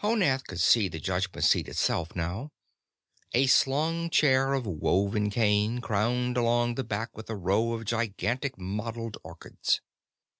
Honath could see the Judgment Seat itself now, a slung chair of woven cane crowned along the back with a row of gigantic mottled orchids.